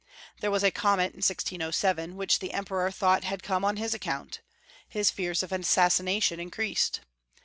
There was a comet in 1607, which the Emperor thought had come on liis account. His fears of assassination increased.